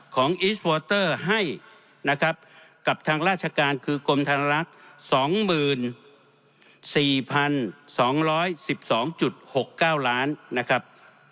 ของให้นะครับกับทางราชการคือกรมธนรักสองหมื่นสี่พันสองร้อยสิบสองจุดหกเก้าล้านนะครับ